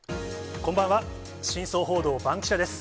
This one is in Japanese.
こんばんは、真相報道バンキシャ！です。